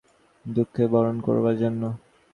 প্রায় সমসংখ্যক লোক জন্মায় দুঃখকে বরণ করবার জন্য।